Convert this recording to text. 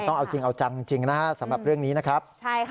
ต้องเอาจริงเอาจังจริงนะฮะสำหรับเรื่องนี้นะครับ